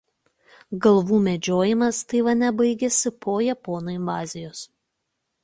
Galvų medžiojimas Taivane baigėsi po japonų invazijos.